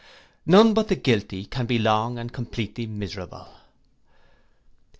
None but the guilty can be long and completely miserable.